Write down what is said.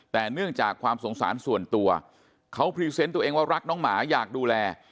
แต่เนื่องจากความสงสารส่วนตัวเขาพรีเซนต์ตัวเองว่ารักน้องหมาอยากดูแล